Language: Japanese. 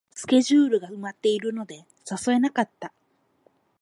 スケジュールが埋まってるので誘えなかった